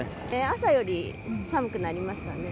朝より寒くなりましたね。